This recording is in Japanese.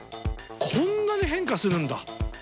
こんなに変化するんだ？